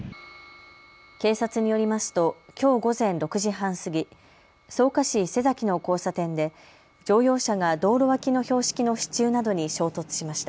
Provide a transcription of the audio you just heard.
警察によりますときょう午前６時半過ぎ、草加市瀬崎の交差点で乗用車が道路脇の標識の支柱などに衝突しました。